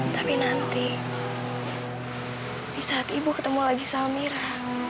tapi nanti di saat ibu ketemu lagi sama mira